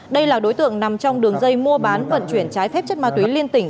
đây là đối tượng nằm trong đường dây mua bán vận chuyển trái phép chất ma túy liên tỉnh